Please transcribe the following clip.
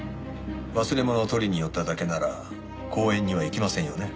忘れ物を取りに寄っただけなら公園には行きませんよね？